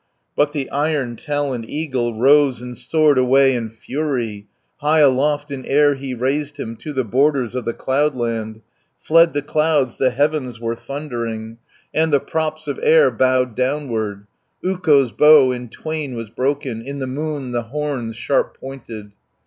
But the iron taloned eagle Rose and soared away in fury, High aloft in air he raised him, To the borders of the cloudland. Fled the clouds, the heavens were thundering, And the props of air bowed downward: 310 Ukko's bow in twain was broken, In the moon the horns sharp pointed.